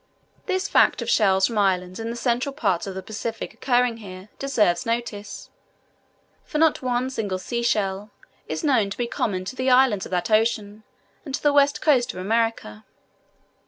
This fact of shells from islands in the central parts of the Pacific occurring here, deserves notice, for not one single sea shell is known to be common to the islands of that ocean and to the west coast of America.